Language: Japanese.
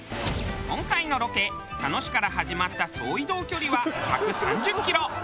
今回のロケ佐野市から始まった総移動距離は１３０キロ。